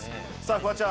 フワちゃん